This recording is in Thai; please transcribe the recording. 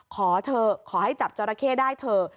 ขอเถอะขอให้จับจราเข้ได้เถอะ